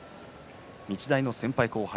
日大の先輩後輩